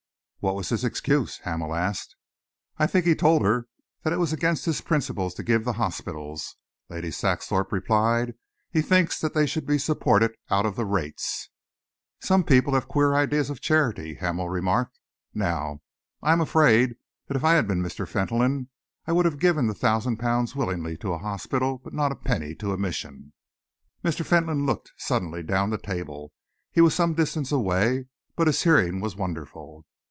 "What was his excuse?" Hamel asked. "I think he told her that it was against his principles to give to hospitals," Lady Saxthorpe replied. "He thinks that they should be supported out of the rates." "Some people have queer ideas of charity," Hamel remarked. "Now I am afraid that if I had been Mr. Fentolin, I would have given the thousand pounds willingly to a hospital, but not a penny to a mission." Mr. Fentolin looked suddenly down the table. He was some distance away, but his hearing was wonderful.